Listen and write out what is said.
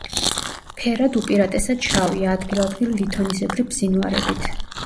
ფერად უპირატესად შავია, ადგილ-ადგილ ლითონისებრი ბზინვარებით.